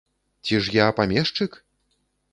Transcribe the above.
Ці ж я памешчык?